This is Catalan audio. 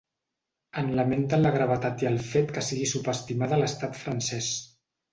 En lamenten la gravetat i el fet que sigui subestimada a l’estat francès.